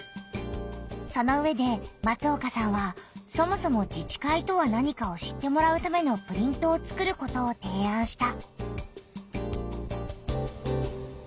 そのうえで松岡さんはそもそも自治会とは何かを知ってもらうためのプリントを作ることをていあんした。